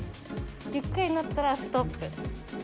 ゆっくりになったら、ストップ。